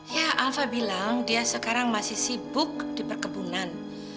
ya alfa bilang dia sekarang masih sibuk di perkebunan